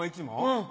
うん。